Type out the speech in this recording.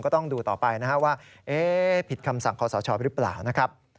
ต้องดูต่อไปนะครับว่าผิดคำสั่งขอสชหรือเปล่านะครับ